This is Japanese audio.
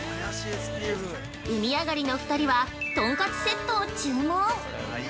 海上がりの２人はとんかつセットを注文。